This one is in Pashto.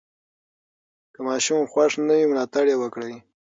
که ماشوم خوښ نه وي، ملاتړ یې وکړئ.